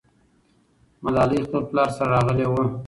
ملالۍ خپل پلار سره راغلې وه.